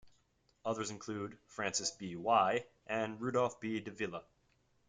Others include Francis B. Wai and Rudolph B. Davila.